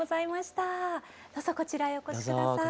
どうぞこちらへお越し下さい。